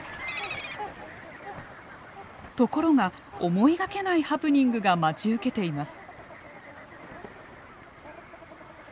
ところが思いがけないハプニングが待ち受けています。